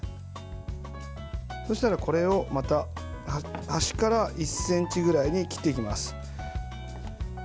そしたらこれをまた端から１ｃｍぐらいに切っていきます。